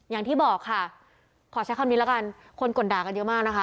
อย่างที่บอกค่ะขอใช้คำนี้ละกันคนก่นด่ากันเยอะมากนะคะ